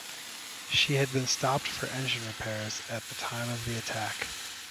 She had been stopped for engine repairs at the time of the attack.